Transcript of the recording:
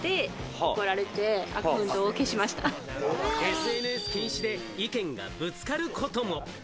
ＳＮＳ禁止で意見がぶつかることも。